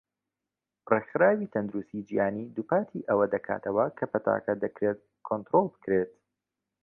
ڕێکخراوی تەندروستی جیهانی دووپاتی ئەوە دەکاتەوە کە پەتاکە دەکرێت کۆنترۆڵ بکرێت.